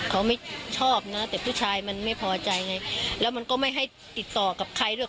เขาไม่ชอบนะแต่ผู้ชายมันไม่พอใจไงแล้วมันก็ไม่ให้ติดต่อกับใครด้วย